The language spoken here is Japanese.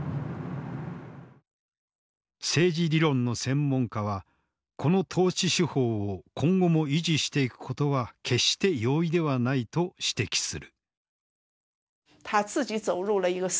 政治理論の専門家はこの統治手法を今後も維持していくことは決して容易ではないと指摘する。